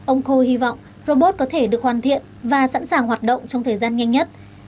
ông ko hy vọng robot có thể được hoàn thiện và sẵn sàng hoạt động trong thời gian nhanh nhất